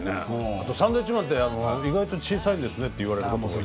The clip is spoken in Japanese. あとサンドウィッチマンって意外と小さいんですねって言われることも多い。